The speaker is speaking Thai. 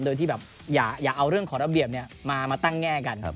โดยที่แบบอย่าเอาเรื่องของระเบียบมาตั้งแง่กัน